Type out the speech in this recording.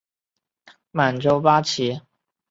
满洲八旗按资历深浅可分为旧满洲。